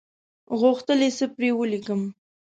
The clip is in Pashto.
غوښتل یې څه پر ولیکم.